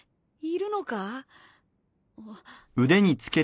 いるのか？